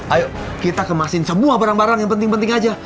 ayo kita kemasin semua barang barang yang penting penting aja